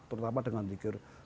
terutama dengan zikir